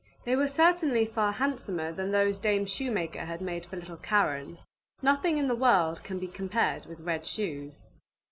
They were certainly far handsomer than those Dame Shoemaker had made for little Karen. Nothing in the world can be compared with red shoes.